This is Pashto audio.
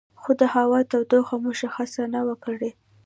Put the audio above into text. خو د هوا تودېدو مشخصه نه وه کړې